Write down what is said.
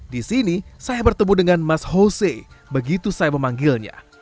di sini saya bertemu dengan mas jose begitu saya memanggilnya